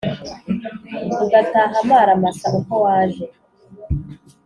ugataha amaramasa uko waje